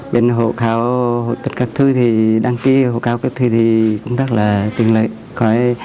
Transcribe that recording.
bên hộ kháo tất cả các thứ thì đăng ký hộ kháo các thứ thì cũng rất là tiện lợi